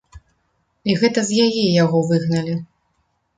І гэта з яе яго выгналі.